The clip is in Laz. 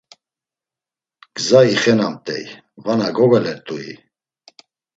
Gza ixenamt̆ey, vana gogalert̆ui!